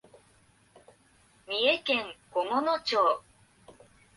三重県菰野町